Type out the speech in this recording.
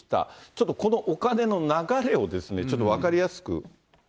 ちょっとこのお金の流れを、ちょっと分かりやすく。